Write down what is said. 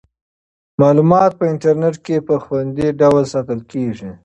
معلومات په انټرنیټ کې په خوندي ډول ساتل کیږي.